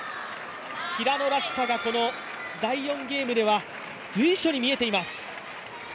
平野らしさが第４ゲームでは随所に見えています。